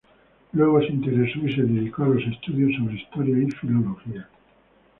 Luego se interesó y se dedicó a los estudios sobre historia y filología.